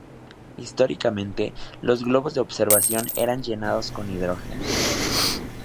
Históricamente, los globos de observación eran llenados con hidrógeno.